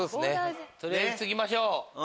取りあえず積みましょう。